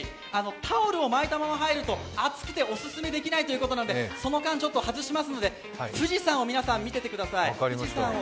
タオルをまいたまま入ると熱くてお勧めできないということなのでその間、ちょっと外しますので富士山を見ていてください。